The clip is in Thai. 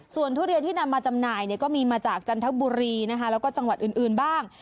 ส่วนทุเรียนที่นำมาจำหน่ายก็มีมาจากจันทบุรีนะคะแล้วก็จังหวัดอื่นบ้าง